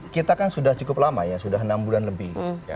kita kan sudah cukup lama ya sudah enam bulan lebih